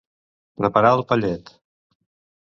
Preparar el pallet.